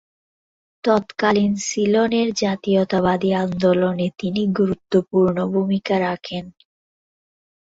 তৎকালীন সিলনের জাতীয়তাবাদী আন্দোলনে তিনি গুরুত্বপূর্ণ ভূমিকা রাখেন।